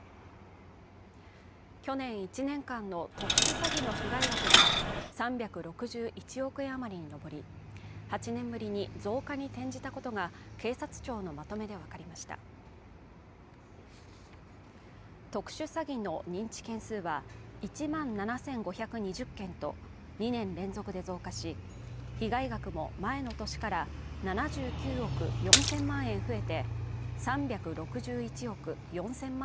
去年１年間の特殊詐欺の被害額が３６１億円余りに上り８年ぶりに増加に転じたことが警察庁のまとめで分かりました特殊詐欺の認知件数は１万７５２０件と２年連続で増加し被害額も前の年から７９億４０００万円増えて３６１億４０００万